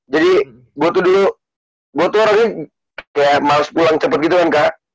jadi gue tuh dulu gue tuh orangnya kayak males pulang cepet gitu kan kak